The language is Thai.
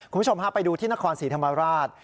คุณผู้ชมพาไปดูที่นครศรีธรรมราช